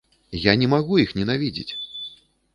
Я не магу іх ненавідзець!